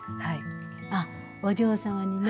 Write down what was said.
あっお嬢様にね。